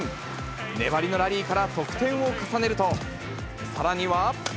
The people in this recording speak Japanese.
粘りのラリーから得点を重ねると、さらには。